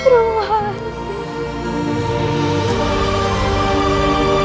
ini adalah tempat kuat untuk menulis